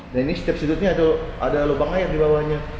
dan ini setiap sudutnya ada lubang air di bawahnya